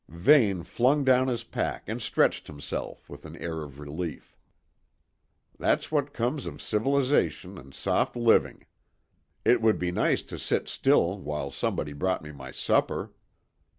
Vane flung down his pack and stretched himself with an air of relief. "That's what comes of civilisation and soft living. It would be nice to sit still while somebody brought me my supper."